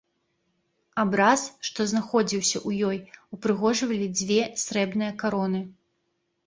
Абраз, што знаходзіўся ў ёй, упрыгожвалі дзве срэбныя кароны.